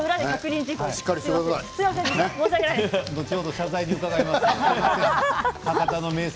後ほど謝罪に伺います。